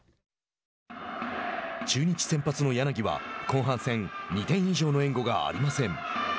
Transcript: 中日先発の柳は後半戦、２点以上の援護がありません。